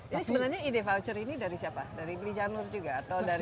jadi sebenarnya ide poacher ini dari siapa dari beli janur juga